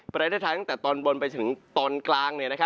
หรือแต่ตอนบนไปถึงตอนกลาง